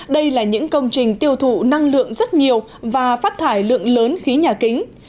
đây là những công trình tiêu thụ năng lượng rất nhiều và phát thải lượng lớn khí nhà kính